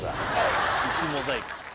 薄モザイク。